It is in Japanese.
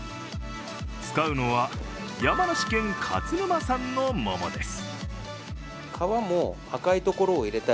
使うのは、山梨県勝沼産の桃です。